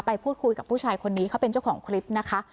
ไปพูดคุยกับผู้ชายคนนี้เขาเป็นเจ้าของคลิปนะคะ